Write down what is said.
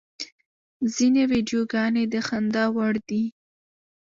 ځینې ویډیوګانې د خندا وړ دي.